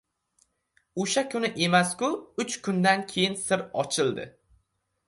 O‘sha kuni emas-ku, uch kundan keyin sir ochildi.